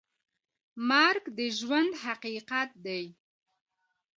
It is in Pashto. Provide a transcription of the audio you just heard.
مرګ د ژوند حقیقت دی